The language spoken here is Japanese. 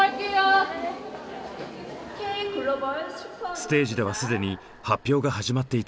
ステージでは既に発表が始まっていた。